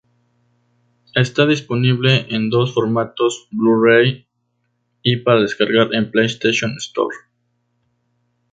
Está disponible en dos formatos: Blu-ray y para descargar en PlayStation Store.